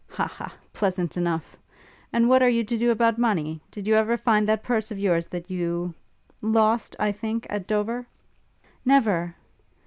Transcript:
'Ha! Ha! pleasant enough! And what are you to do about money? Did you ever find that purse of yours that you lost, I think, at Dover?' 'Never!'